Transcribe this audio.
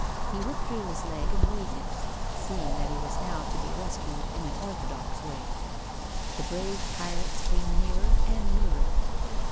He withdrew his leg and waited, seeing that he was now to be rescued in an orthodox way. The brave pirates came nearer and nearer.